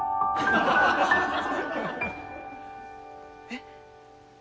えっ？